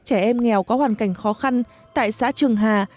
trẻ em nghèo có hoàn cảnh khó khăn tại xã trường hà